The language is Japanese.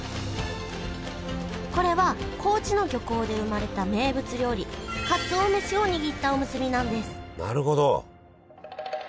これは高知の漁港で生まれた名物料理かつお飯を握ったおむすびなんですなるほど！